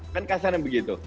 kan kasarnya begitu